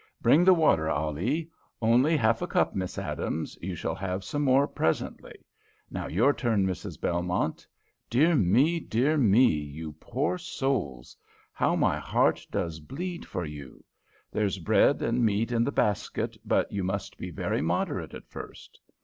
Bring the water, Ali! Only half a cup, Miss Adams; you shall have some more presently. Now your turn, Mrs. Belmont! Dear me, dear me, you poor souls, how my heart does bleed for you! There's bread and meat in the basket, but you must be very moderate at first."